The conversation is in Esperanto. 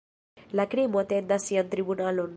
La krimo atendas sian tribunalon.